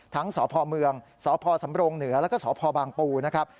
สพเมืองสพสำรงเหนือแล้วก็สพบางปูนะครับ